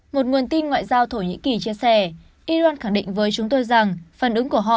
một nguồn tin ngoại giao thổ nhĩ kỳ chia sẻ iran khẳng định với chúng tôi rằng phản ứng của họ